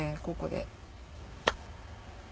ここで。